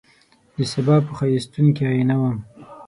دسبا په ښایستون کي آئینه وم